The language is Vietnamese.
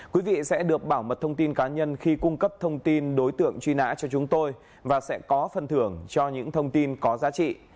quý vị sẽ được bảo mật thông tin cá nhân khi cung cấp thông tin đối tượng truy nã cho chúng tôi và sẽ có phần thưởng cho những thông tin có giá trị